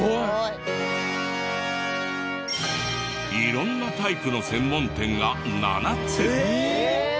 色んなタイプの専門店が７つ。